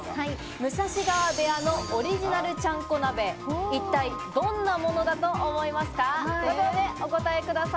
武蔵川部屋のオリジナルちゃんこ鍋、一体どんなものだと思います